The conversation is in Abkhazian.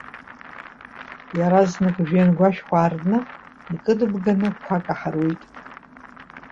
Иаразнак жәҩангәашәқәа аартны, икыдыбганы қәак аҳаруит.